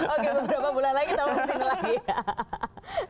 oke beberapa bulan lagi kita mesti ngelagih